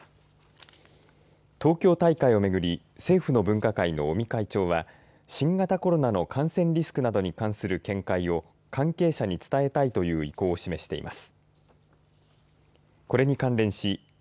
東京大会をめぐり政府の分科会の尾身会長は新型コロナなどの感染リスクに関する見解を関係者に伝えたいと意向を示しています。